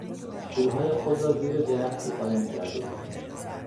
پولهای خود را زیر درختی قایم کرده بود.